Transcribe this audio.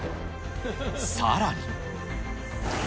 さらに。